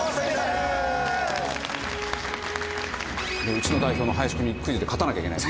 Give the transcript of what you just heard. うちの代表の林くんにクイズで勝たなきゃいけない。